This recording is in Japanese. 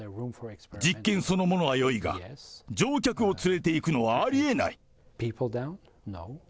実験そのものはよいが、乗客を連れていくのはありえない。